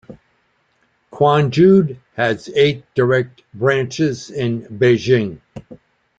Quanjude has eight direct branches in Beijing.